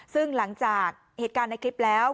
ซึ่งหลังจากเหตุการณ์ในคลิปแล้ว